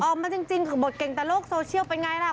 ออกมาจริงบทเก่งแต่โลกโซเชียลเป็นไงล่ะ